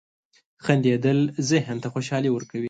• خندېدل ذهن ته خوشحالي ورکوي.